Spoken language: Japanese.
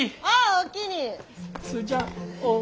おおきに。